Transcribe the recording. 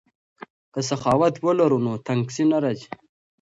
که سخاوت ولرو نو تنګسي نه راځي.